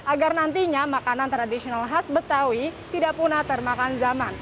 agar nantinya makanan tradisional khas betawi tidak punah termakan zaman